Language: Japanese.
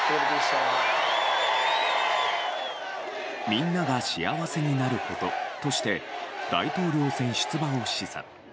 みんなが幸せになることとして大統領選出馬を示唆。